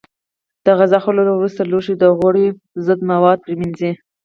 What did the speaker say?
د غذا خوړلو وروسته لوښي په غوړیو ضد موادو پرېمنځئ.